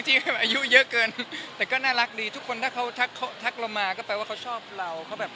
แต่ก็น่ารักดีทุกคนถ้าเขาทักเรามาก็แปลว่าเขาชอบเรา